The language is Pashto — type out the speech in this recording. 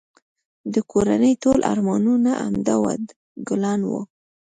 د کورنی ټول ارمانونه همدا دوه ګلان وه